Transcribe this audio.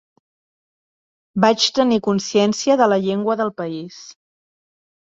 Vaig tenir consciencia de la llengua del país.